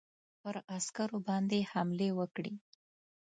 پر عسکرو باندي حملې وکړې.